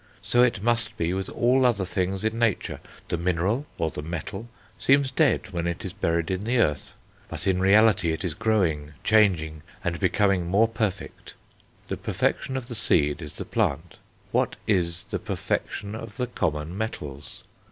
So it must be with all other things in nature: the mineral, or the metal, seems dead when it is buried in the earth, but, in reality, it is growing, changing, and becoming more perfect." The perfection of the seed is the plant. What is the perfection of the common metals?